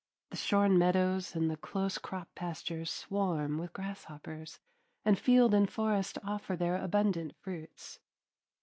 The shorn meadows and the close cropped pastures swarm with grasshoppers, and field and forest offer their abundant fruits.